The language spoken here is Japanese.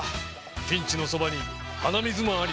ピンチのそばに鼻水マンあり。